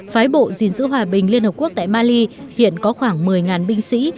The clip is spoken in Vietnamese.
phái bộ dình giữ hòa bình liên hợp quốc tại mali hiện có khoảng một mươi binh sĩ